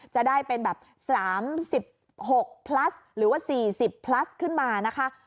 จะได้เป็นแบบ๓๖พลัสหรือว่า๔๐พลัสขึ้นมานะคะ